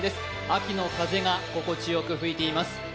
秋の風が心地よく吹いています。